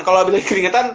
kalau abis lagi keringetan